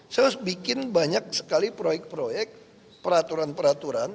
saya harus bikin banyak sekali proyek proyek peraturan peraturan